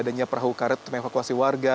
pembangunan perahu karet teman evakuasi warga